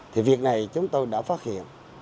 thì việc này chúng tôi đã phát hiện